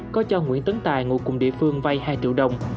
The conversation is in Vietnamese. có cho nguyễn tấn tài ngụ cùng địa phương vay hai triệu đồng